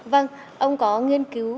vâng ông có nghiên cứu